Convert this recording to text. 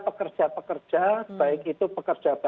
pekerja pekerja baik itu pekerja